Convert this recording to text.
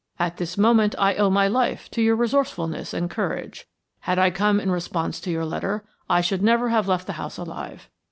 At this moment I owe my life to your resourcefulness and courage. Had I come in response to your letter, I should never have left the house alive.